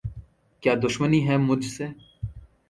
کیا دشمنی ہے مجھ سے؟